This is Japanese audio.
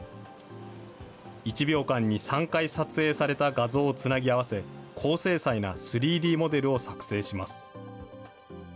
１秒間に３回撮影された画像をつなぎ合わせ、高精細な３Ｄモデルを作成します。